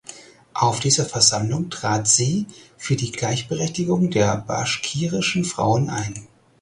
Auf dieser Versammlung trat sie für die Gleichberechtigung der baschkirischen Frauen ein.